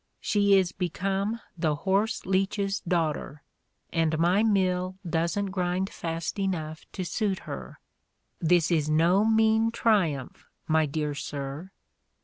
She is become the horse leech's daughter, and my mill doesn't grind fast enough to suit her. This is no mean triumph, my dear sir."